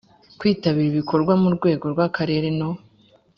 kwitabira ibikorwa mu rwego rw akarere no